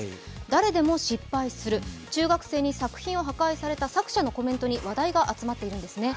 誰でも失敗する中学生に作品を破壊された作者のコメントに話題が集まっているんですね。